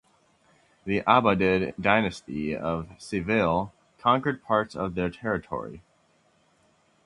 The Abbadid dynasty of Seville conquered parts of their territory.